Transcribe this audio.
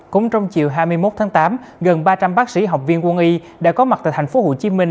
cũng trong chiều hai mươi một tháng tám gần ba trăm linh bác sĩ học viên quân y đã có mặt tại thành phố hồ chí minh